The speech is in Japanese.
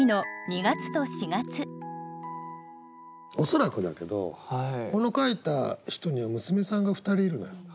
恐らくだけどこの書いた人には娘さんが２人いるのよ。